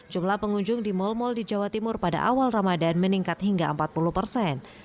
jumlah pengunjung di mal mal di jawa timur pada awal ramadan meningkat hingga empat puluh persen